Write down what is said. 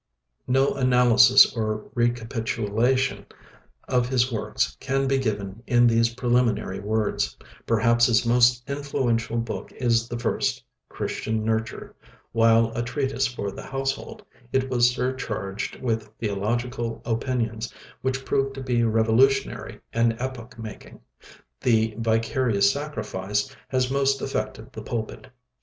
No analysis or recapitulation of his works can be given in these preliminary words. Perhaps his most influential book is the first, 'Christian Nurture'; while a treatise for the household, it was surcharged with theological opinions which proved to be revolutionary and epoch making. 'The Vicarious Sacrifice' has most affected the pulpit.